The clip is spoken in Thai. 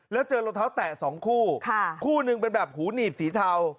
แล้วเจอรองเท้าแตะสองคู่คู่หนึ่งเป็นแบบหูหนีบสีเทา